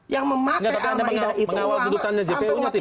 yang memakai al ma'idah itu ulama sampai waktu islam elit politik